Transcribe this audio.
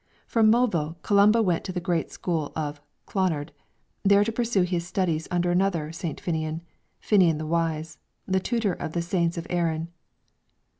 From Moville, Columba went to the great school of Clonard, there to pursue his studies under another St. Finnian Finnian the Wise, the "Tutor of the Saints of Erin."